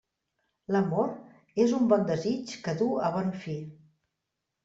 L'amor és un bon desig que du a bon fi.